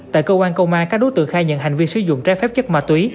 tại cơ quan công an các đối tượng khai nhận hành vi sử dụng trái phép chất ma túy